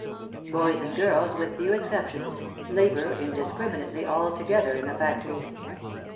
Boys and girls, with few exceptions, labour indiscriminately altogether in the factories.